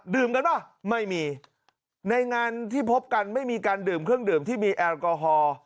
กันป่ะไม่มีในงานที่พบกันไม่มีการดื่มเครื่องดื่มที่มีแอลกอฮอล์